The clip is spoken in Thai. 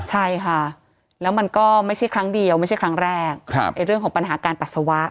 ใช่ค่ะแล้วมันก็ไม่ใช่ครั้งเดียวไม่ใช่ครั้งแรกในเรื่องของปัญหาการปัสสาวะ